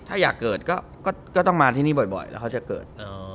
ถ้าอยากเกิดก็ต้องมาที่นี่บ่อยแล้วเขาจะเกิด